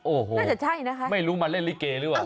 โอ้โหไม่รู้มันเล่นตรีเกลิ่นหรือเปล่า